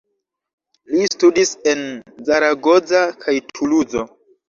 Li studis en Zaragoza kaj Tuluzo.